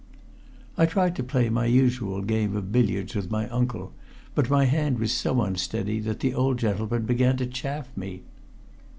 I tried to play my usual game of billiards with my uncle, but my hand was so unsteady that the old gentleman began to chaff me.